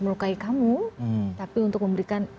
melukai kamu tapi untuk memberikan